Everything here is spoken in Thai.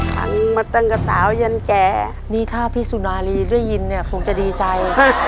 ฟังมาตั้งแต่สาวยันแก่นี่ถ้าพี่สุนารีได้ยินเนี่ยคงจะดีใจ